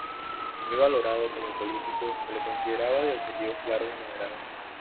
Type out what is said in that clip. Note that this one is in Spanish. Muy valorado como político, se le consideraba de objetivos claros y moderado.